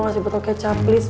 ngasih botol kecap please